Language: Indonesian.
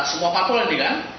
semua patrolin ya kan